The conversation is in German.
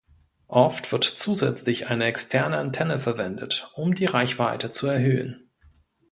Oft wird zusätzlich eine externe Antenne verwendet, um die Reichweite zu erhöhen.